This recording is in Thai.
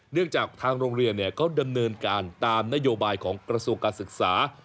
จากทางโรงเรียนเขาดำเนินการตามนโยบายของกระทรวงการศึกษา